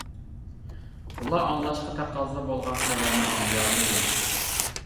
ئۇلار ئاڭلاشقا تەقەززا بولغان خەۋەرنى ئاڭلىيالمىدى.